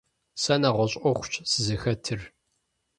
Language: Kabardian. Сэ нэгъуэщӏ ӏуэхущ сызыхэтыр.